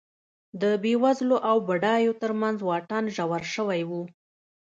د بېوزلو او بډایو ترمنځ واټن ژور شوی و